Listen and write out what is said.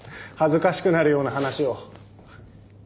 恥ずかしくなるような話を。